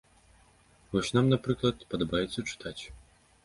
Вось нам, напрыклад, падабаецца чытаць.